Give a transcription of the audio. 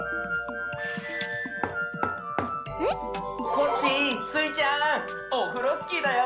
コッシースイちゃんオフロスキーだよ。